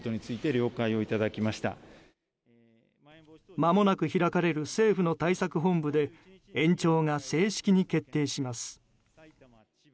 まもなく開かれる政府の対策本部で延長が正式に決定します。